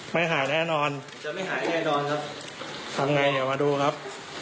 ไม่หายแน่นอนจะไม่หายแน่นอนครับทำไงเดี๋ยวมาดูครับ